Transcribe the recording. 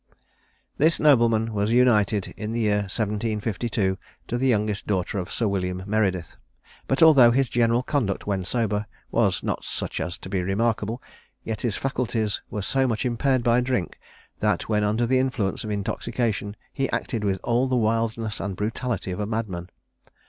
This nobleman was united in the year 1752 to the youngest daughter of Sir William Meredith; but although his general conduct when sober was not such as to be remarkable, yet his faculties were so much impaired by drink, that when under the influence of intoxication, he acted with all the wildness and brutality of a madman.